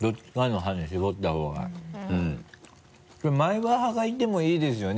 これ前歯派がいてもいいですよね？